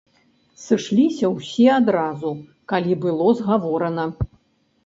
Сышліся ўсе адразу, калі было згаворана.